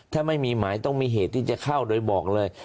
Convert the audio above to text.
ถ้าไม่มีหมายต้องมีเหตุที่จะเข้าโดยบอกเลย